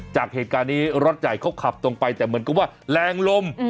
จากเหตุการณ์นี้รถใหญ่เขาขับตรงไปแต่เหมือนกับว่าแรงลม